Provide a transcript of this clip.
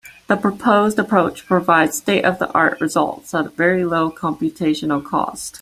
The proposed approach provides state-of-the-art results at very low computational cost.